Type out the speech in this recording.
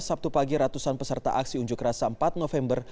sabtu pagi ratusan peserta aksi unjuk rasa empat november